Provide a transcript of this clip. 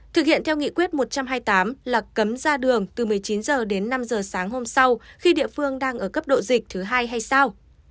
thực hiện theo nghị quyết một trăm hai mươi tám là cấm ra đường từ một mươi chín h đến năm h sáng hôm sau khi địa phương đang ở cấp độ dịch thứ hai hay sau